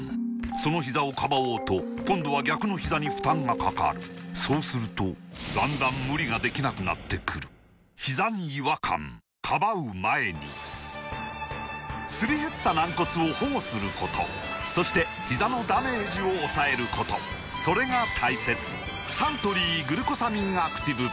そのひざをかばおうと今度は逆のひざに負担がかかるそうするとだんだん無理ができなくなってくるすり減った軟骨を保護することそしてひざのダメージを抑えることそれが大切サントリー「グルコサミンアクティブ」